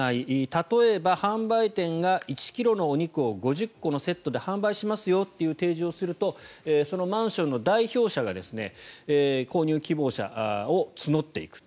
例えば販売店が１ｋｇのお肉を５０個のセットで販売しますよという提示をしますとそのマンションの代表者が購入希望者を募っていく。